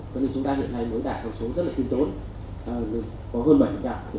cho nên chúng ta hiện nay mới đạt một số rất là tinh tốn có hơn bảy